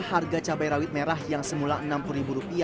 harga cabai rawit merah yang semula rp enam puluh